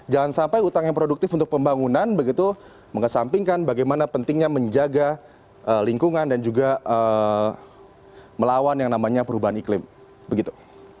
jangan sampai utang yang produktif untuk pembangunan begitu mengesampingkan bagaimana pentingnya menjaga lingkungan dan juga melawan yang namanya perubahan iklim begitu